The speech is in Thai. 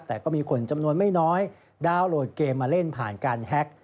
แต่ก็มีคนจำนวนไม่น้อยดาวน์โหลดเกมมาเล่นผ่านการแฮ็ก